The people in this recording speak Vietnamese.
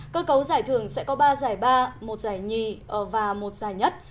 cơ cấu giải thưởng sẽ có ba giải ba một giải nhì và một giải nhất